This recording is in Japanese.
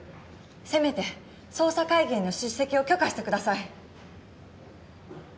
せめて捜査会議への出席を許可してください。